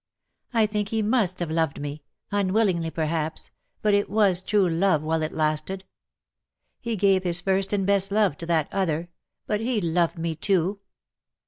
'' I think he must have loved me — unwillingly, perhaps — but it was true love while it lasted. He gave his first and best love to that other — but he loved me too.